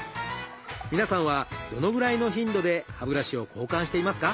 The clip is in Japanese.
皆さんはどのぐらいの頻度で歯ブラシを交換していますか？